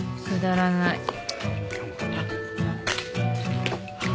くだらない。